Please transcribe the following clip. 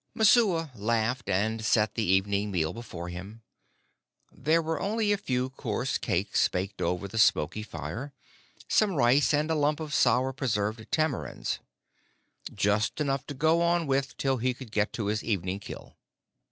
Messua laughed, and set the evening meal before him. There were only a few coarse cakes baked over the smoky fire, some rice, and a lump of sour preserved tamarinds just enough to go on with till he could get to his evening kill.